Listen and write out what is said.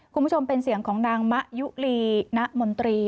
คุณผู้ชมเป็นเสียงของนางมะยุลีณมนตรี